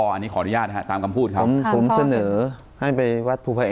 อันนี้ขออนุญาตนะฮะตามคำพูดครับผมเสนอให้ไปวัดภูภัย